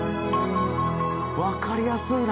わかりやすいな！